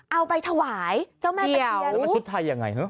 เอาไปถวายเจ้าแม่ตะเขียนแต่มันชุดไทยอย่างไร